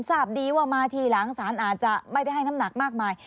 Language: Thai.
ทราบดีว่ามาทีหลังสารอาจจะไม่ได้ให้น้ำหนักมากมาย